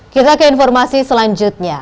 kita ke informasi selanjutnya